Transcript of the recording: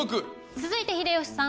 続いて秀吉さん